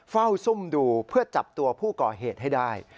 ซุ่มดูเพื่อจับตัวผู้ก่อเหตุให้ได้